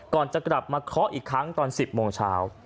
ก่อนจะกลับมาเคาะอีกครั้งตอน๑๐โมงเช้า